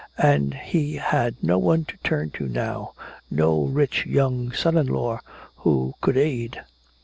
And he had no one to turn to now, no rich young son in law who could aid.